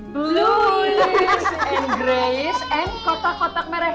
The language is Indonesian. blue lies and grace and kotak kotak merah